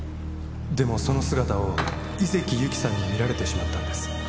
「でもその姿を井関ゆきさんに見られてしまったんです」